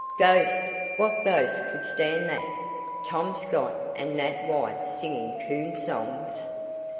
Ghost! What ghost could stand that? Tom Scott and Nat White singing coon songs!